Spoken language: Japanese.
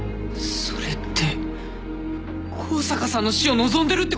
それって香坂さんの死を望んでるってことですか？